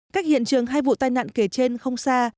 cách hiện trường hai vụ tai nạn kể trên không xa